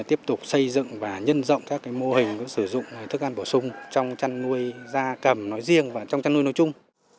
tiếp tục xây dựng và nhân rộng các mô hình sử dụng thức ăn bổ sung trong chăn nuôi da cầm nói riêng và trong chăn nuôi nói chung